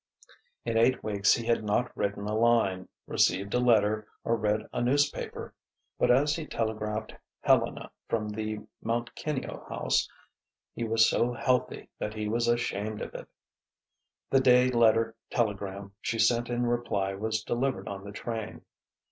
In eight weeks he had not written a line, received a letter, or read a newspaper. But, as he telegraphed Helena from the Mt. Kineo House, he was so healthy that he was ashamed of it. The day letter telegram she sent in reply was delivered on the train.